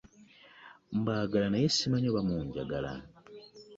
Mbaagala naye ssimanyi oba munjagala.